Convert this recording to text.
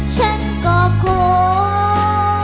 ฉันก็คง